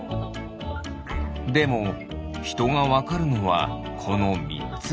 でもひとがわかるのはこの３つ。